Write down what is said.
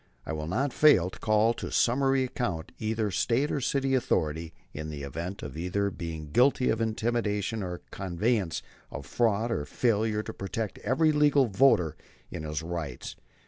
I will not fail to call to summary account either State or city authority in the event of either being guilty of intimidation or connivance at fraud or of failure to protect every legal voter in his rights.